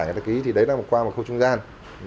và người ta ký thì đấy là qua một khâu trung gian